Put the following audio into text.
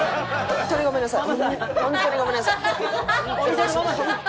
本当にごめんなさい。